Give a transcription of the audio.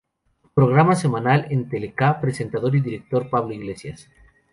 Programa semanal en Tele K. Presentador y director Pablo Iglesias.